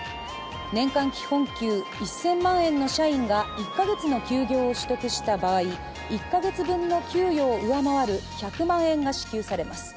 年間基本給１０００万円の社員が１か月の休業を取得した場合、１か月分の給与を上回る１００万円が支給されます。